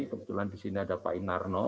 kebetulan di sini ada pak inarno